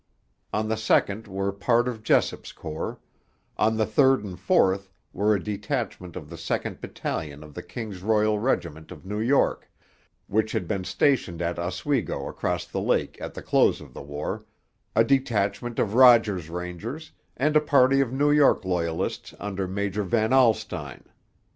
On the second were part of Jessup's Corps; on the third and fourth were a detachment of the second battalion of the King's Royal Regiment of New York, which had been stationed at Oswego across the lake at the close of the war, a detachment of Rogers's Rangers, and a party of New York Loyalists under Major Van Alstine.